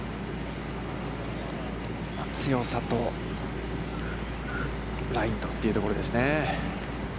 強さとラインと、というところですね。